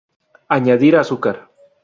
Añadir azúcar.